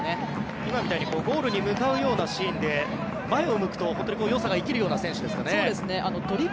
今みたいにゴールに向かうようなシーンで前を向くと、よさが生きるような選手ですかね。